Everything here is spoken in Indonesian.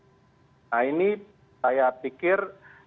nah ini saya pikir